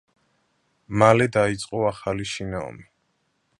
მალე დაიწყო ახალი შინაომი.